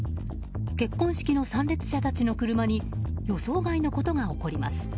結婚式の参列者たちの車に予想外のことが起こります。